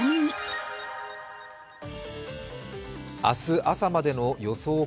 明日朝までの予想